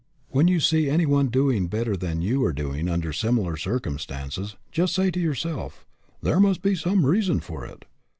When you see any one doing better than you are doing under similar circumstances, just say to yourself, "There must be some reason for it.